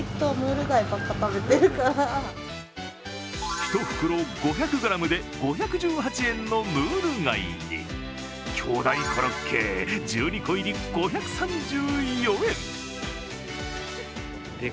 １袋５００ｇで５１８円のムール貝に巨大コロッケ、１２個入り５３４円。